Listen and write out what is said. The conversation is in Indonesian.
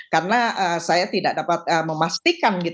karena saya tidak dapat memastikan